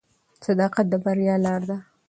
صداقت د بریا لاره ده.